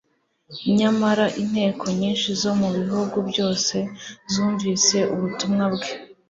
nyamara inteko nyinshi zo mu bihugu byose zumvise ubutumwa bwe.